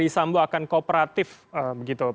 verdi sambu akan kooperatif begitu